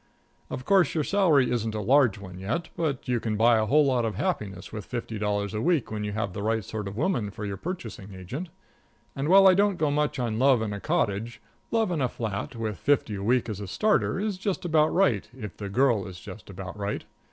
Of course, your salary isn't a large one yet, but you can buy a whole lot of happiness with fifty dollars a week when you have the right sort of a woman for your purchasing agent. And while I don't go much on love in a cottage, love in a flat, with fifty a week as a starter, is just about right, if the girl is just about right.